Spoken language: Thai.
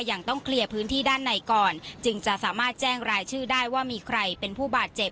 ยังต้องเคลียร์พื้นที่ด้านในก่อนจึงจะสามารถแจ้งรายชื่อได้ว่ามีใครเป็นผู้บาดเจ็บ